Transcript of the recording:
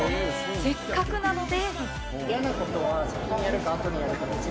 せっかくなので。